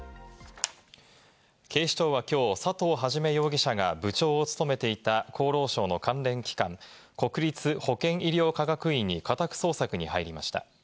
警視庁はきょう佐藤元容疑者が部長を務めていた厚労省の関連機関、国立保健医療科学院に家宅捜索に入りました。